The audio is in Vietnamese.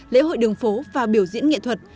lễ hội đường phố và biểu diễn nghệ thuật